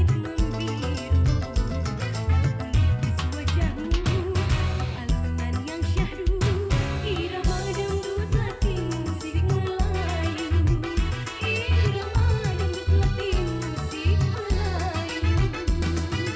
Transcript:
tapi maaf jika mengganggu karena ella juga punya malu